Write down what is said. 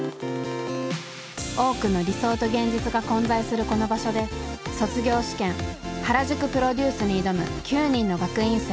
多くの理想と現実が混在するこの場所で卒業試験原宿プロデュースに挑む９人の学院生。